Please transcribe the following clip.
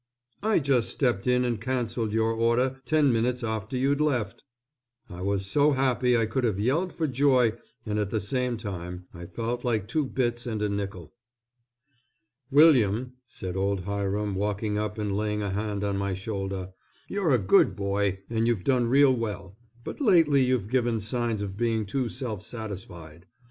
"I just stepped in and cancelled your order ten minutes after you'd left." I was so happy I could have yelled for joy and at the same time I felt like two bits and a nickel. "William," said old Hiram walking up and laying a hand on my shoulder, "you're a good boy, and you've done real well, but lately you've given signs of being too self satisfied.